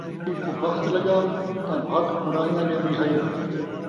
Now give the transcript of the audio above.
چن٘دری کوں بخت لڳا تاں بھت کوں رائیاں ݙین٘دی ہئی